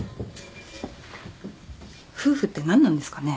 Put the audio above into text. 夫婦って何なんですかね。